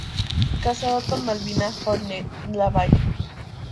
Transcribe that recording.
Casado con Malvina Horne Lavalle.